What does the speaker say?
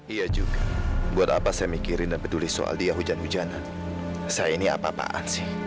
iya juga buat apa saya mikirin dan peduli soal dia hujan hujanan saya ini apa apaan sih